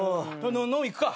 飲みに行くか？